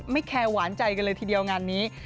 แคร์หวานใจกันเลยทีเดียวงานนี้